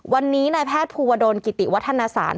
วันนี้นายแพทย์ภูวดลกิติวัฒนสาร